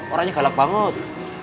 orangnya galak banget